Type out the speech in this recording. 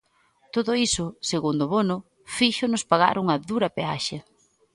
Todo iso, segundo Bono, "fíxonos pagar unha dura peaxe".